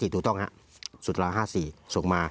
ถูกต้องครับสุดราว๕๔ส่งมา